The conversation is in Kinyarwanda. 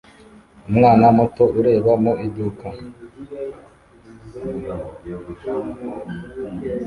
Umwana muto ureba mu iduka